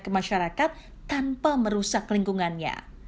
ke masyarakat tanpa merusak lingkungannya